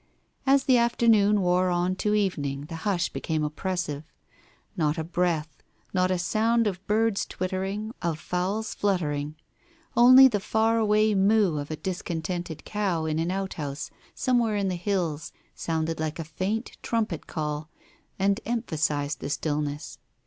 As the afternoon wore on to evening the hush became oppressive. Not a breath, not a sound of birds twitter ing, of fowls fluttering. Only the far away moo of a discontented cow in an outhouse somewhere in the hills sounded like a faint trumpet call, and emphasized the stillness.